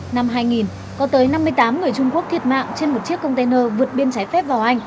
năm hai nghìn có tới năm mươi tám người trung quốc thiệt mạng trên một chiếc container vượt biên trái phép vào anh